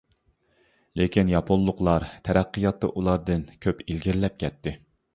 لېكىن، ياپونلۇقلار تەرەققىياتتا ئۇلاردىن كۆپ ئىلگىرىلەپ كەتتى.